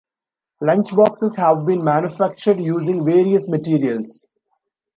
Lunch boxes have been manufactured using various materials.